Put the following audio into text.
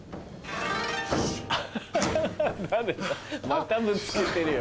ハハハまたぶつけてるよ。